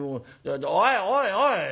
おいおいおい。